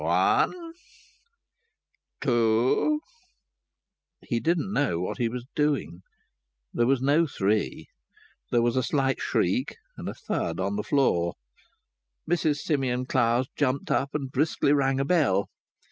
"One two " He didn't know what he was doing. There was no three. There was a slight shriek and a thud on the floor. Mrs Simeon Clowes jumped up and briskly rang a bell.